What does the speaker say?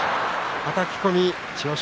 はたき込み千代翔